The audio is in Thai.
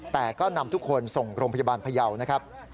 แต่ก็นำทุกคนส่งโรงพยาบาลพยาวนะครับ